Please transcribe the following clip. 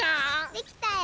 できたよ。